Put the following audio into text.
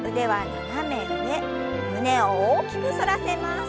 胸を大きく反らせます。